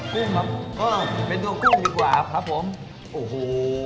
กุ้งครับก็เป็นตัวกุ้งดีกว่าครับผมโอ้โห